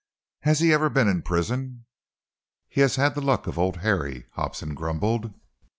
"Has he ever been in prison?" "He has had the luck of Old Harry," Hobson grumbled.